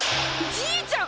じいちゃん！